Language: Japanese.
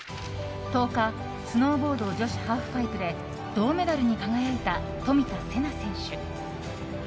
１０日スノーボード女子ハーフパイプで銅メダルに輝いた冨田せな選手。